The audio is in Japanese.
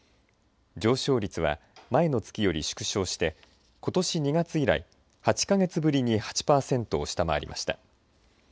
上昇率は、前の月より縮小して、ことし２月以来８か月ぶりに８パーセントを下回りました。